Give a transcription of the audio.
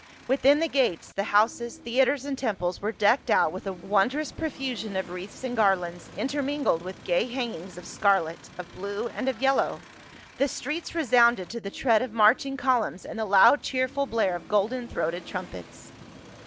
Within the gates, the houses^ theaters and temples were decked out with a wondrous profusion of wreaths and garlands, intermingled with gay hangings of scarlet, of blue and of yellow ; the streets resounded to the tread of marching columns and the loud cheerful blare of golden throated trumpets.